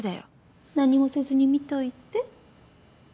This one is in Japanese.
何もせずに見といて。